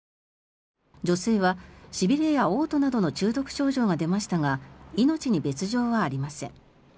女性はしびれやおう吐などの中毒症状が出ましたが命に別条はありません。